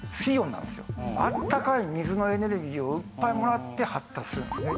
あったかい水のエネルギーをいっぱいもらって発達するんですね。